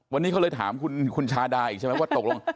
วันนี้เขาเลยถามคุณชาดาอีกใช่ไหมว่าตกลง